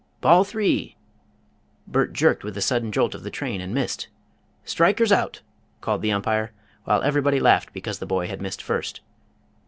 "Ball three!" Bert jerked with a sudden jolt of the train and missed. "Striker's out!" called the umpire, while everybody laughed because the boy had missed first.